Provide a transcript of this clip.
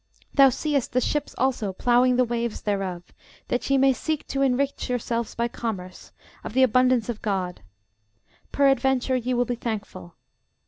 Thou seest the ships also ploughing the waves thereof, that ye may seek to enrich yourselves by commerce, of the abundance of God: peradventure ye will be thankful.